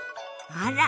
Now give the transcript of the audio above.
あら。